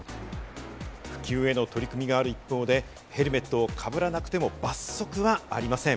普及への取り組みがある一方で、ヘルメットをかぶらなくても罰則はありません。